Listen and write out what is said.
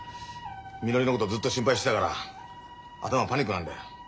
みのりのことずっと心配してたから頭パニックなんだよ。